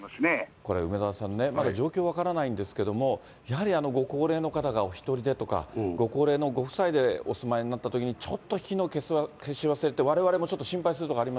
これ、梅沢さんね、まだ状況は分からないんですけれども、やはりご高齢の方がお一人でとか、ご高齢のご夫妻でお住まいになったときに、ちょっと火の消し忘れってわれわれもちょっと心配するところあり